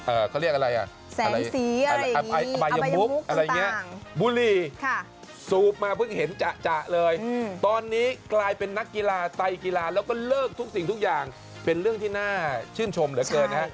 เขาเรียกอะไรอ่ะบายมุกอะไรอย่างเงี้ยบุรีค่ะสูบมาเพิ่งเห็นจะเลยตอนนี้กลายเป็นนักกีฬาไตกีฬาแล้วก็เลิกทุกสิ่งทุกอย่างเป็นเรื่องที่น่าชื่นชมเหลือเกินฮะ